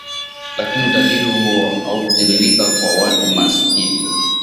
Lakini utajiri huo haukutiririka kwa watu masikini